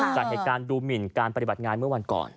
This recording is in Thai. จากเหตุการณ์ดูหมินการปฏิบัติงานเมื่อวันก่อน